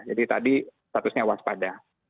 jadi tadi statusnya waspada